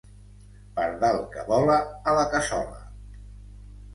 Pardal que vola, a la cassola.